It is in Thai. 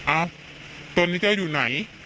อ้าวตอนนี้เจ้าอยู่ไหน